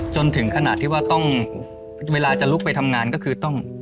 จนถึงขนาดที่ว่าต้องเวลาจะลุกไปทำงานก็คือต้อง